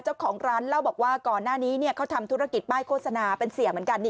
เจ้าของร้านเล่าบอกว่าก่อนหน้านี้เขาทำธุรกิจป้ายโฆษณาเป็นเสียเหมือนกัน